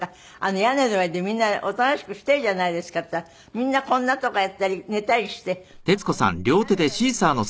「屋根の上でみんなおとなしくしてるじゃないですか」って言ったらみんなこんなとかやったり寝たりして屋根の上にねこれが。